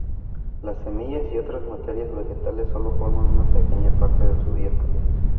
Las semillas y otras materias vegetales solo forman una pequeña parte de su dieta.